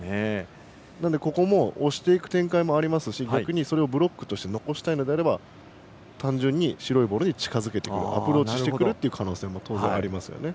ここも押していく展開もありますし逆にブロックとして残したいのであれば単純に白いボールに近づけていく、アプローチする可能性が十分ありますね。